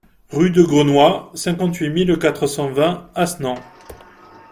Rue de Grenois, cinquante-huit mille quatre cent vingt Asnan